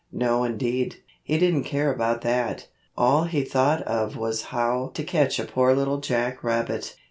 No indeed. He didn't care about that. All he thought of was how to catch poor Little Jack Rabbit.